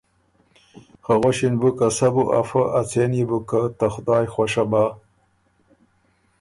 خه غؤݭِن بُو که ”سَۀ بُو افۀ، ا څېن يې بو ته خدایٛ خوشه بۀ“